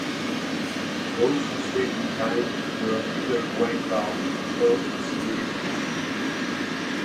Those who stayed behind were either wiped out or assimilated.